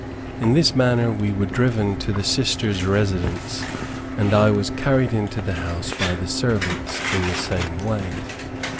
In this manner we were driven to the sister's residence, and I was carried into the house by the servants, in the same way.